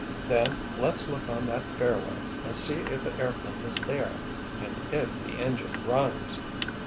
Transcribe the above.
"Then let's look on that fairway and see if the airplane is there, and if the engine runs."